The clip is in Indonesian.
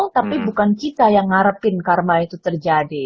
tapi bukan kita yang ngarepin karma itu terjadi